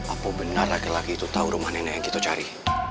apa benar laki laki itu tahu rumah nenek yang kita cari